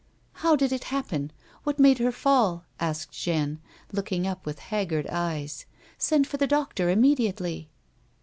" How did it happen 1 What made her fall 1 " asked Jeanne, looking up with haggard eyes. " Send for the doctor immediately."